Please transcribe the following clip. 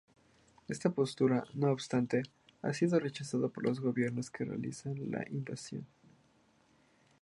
Esta postura, no obstante, ha sido rechazada por los gobiernos que realizaron la invasión.